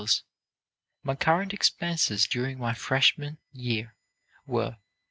My current expenses during my freshman year were $4.